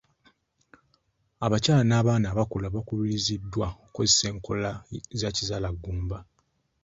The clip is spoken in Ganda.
Abakyala n'abaana abakula bakubiriziddwa okukozesa enkola za kizaalaggumba.